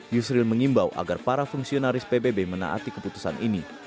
yusril mengimbau agar para fungsionaris pbb menaati keputusan ini